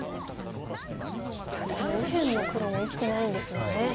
いやでも右辺の黒も生きてないんですもんね。